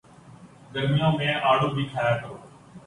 گرمیوں میں آڑو بھی کھایا کرو